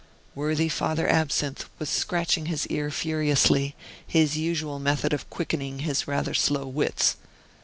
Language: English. Worthy Father Absinthe was scratching his ear furiously, his usual method of quickening his rather slow wits.